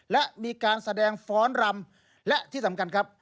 และมีการแสดงฟ้อนรำและที่สำคัญครับ